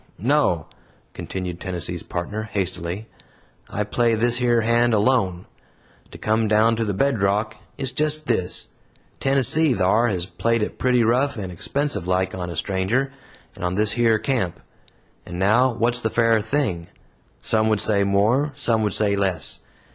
no!" continued Tennessee's Partner, hastily. "I play this yer hand alone. To come down to the bedrock, it's just this: Tennessee, thar, has played it pretty rough and expensive like on a stranger, and on this yer camp. And now, what's the fair thing? Some would say more; some would say less.